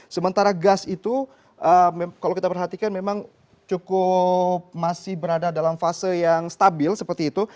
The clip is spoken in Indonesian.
sementara gas itu kalau kita perhatikan memang cukup masih berada dalam fase yang stabil seperti itu